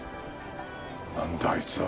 何だあいつは？